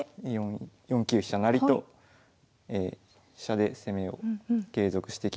４九飛車成と飛車で攻めを継続してきまして。